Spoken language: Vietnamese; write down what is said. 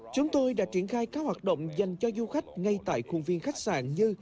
chúng tôi đã triển khai các hoạt động dành cho du khách ngay tại khuôn viên khách sạn như